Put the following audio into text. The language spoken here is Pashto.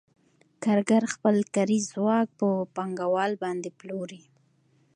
کارګر خپل کاري ځواک په پانګوال باندې پلوري